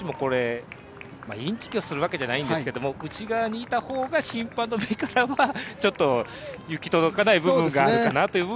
選手もインチキするわけじゃないですけども、内側にいた方が審判の目からは行き届かない部分があるかなと。